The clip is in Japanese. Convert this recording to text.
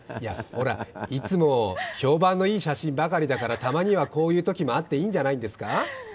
いつも評判のいい写真ばかりだからたまにはこんな日もあっていいんじゃないでしょうか。